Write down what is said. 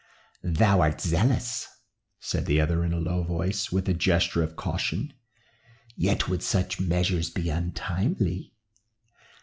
"Thou art zealous," said the other in a low voice, and with a gesture of caution. "Yet would such measures be untimely.